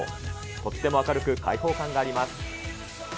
とっても明るく、開放感があります。